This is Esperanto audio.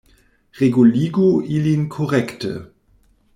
Reguligu ilin korekte!